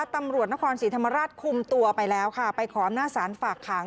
ตำรวจนครศรีธรรมราชคุมตัวไปแล้วค่ะไปขออำนาจศาลฝากขัง